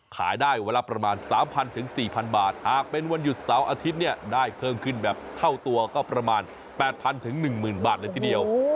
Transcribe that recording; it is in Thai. ขายได้เวลาประมาณ๓๐๐๐๔๐๐๐บาทหากเป็นวันหยุดเสาร์อาทิตย์ได้เพิ่มขึ้นแบบเข้าตัวก็ประมาณ๘๐๐๐๑๐๐๐๐บาทไปสักที่เดียว